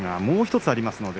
もう一番あります。